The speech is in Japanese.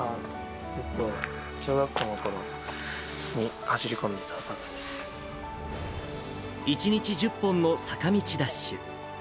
小学校のころに走り込んでた１日１０本の坂道ダッシュ。